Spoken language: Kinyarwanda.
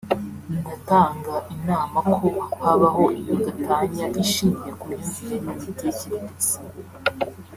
ndatanga inama ko habaho iyo gatanya ishingiye ku myumvire n’imitekerereze”